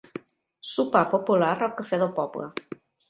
Sopar popular al cafè del poble.